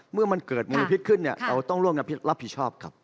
เมื่อมันเกิดมลพิษขึ้นเนี่ยเราต้องร่วมรับผิดชอบกับ